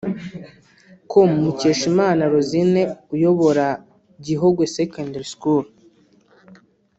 com Mukeshimana Rosine uyobora Gihogwe Secondary School